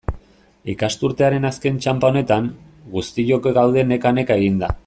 Ikasturtearen azken txanpa honetan, guztiok gaude neka-neka eginda.